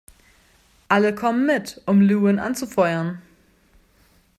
Alle kommen mit, um Levin anzufeuern.